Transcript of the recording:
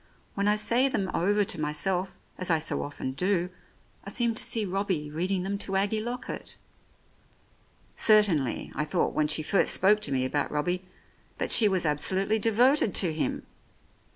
When I say them over to myself, as I so often do, I seem to see Robbie reading them to Aggie Lockett. Certainly, I thought, when she first spoke to me about Robbie, that she was absolutely devoted to him.